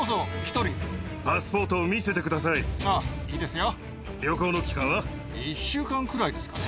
あぁいいですよ。